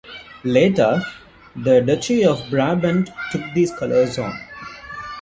Later the Duchy of Brabant took these colors on.